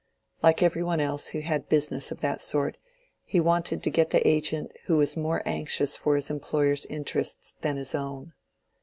Like every one else who had business of that sort, he wanted to get the agent who was more anxious for his employer's interests than his own.